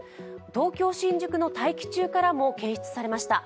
東京・新宿の大気中からも検出されました。